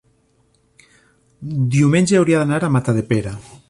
diumenge hauria d'anar a Matadepera.